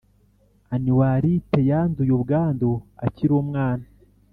Anuaritte yanduye ubwandu akirumwana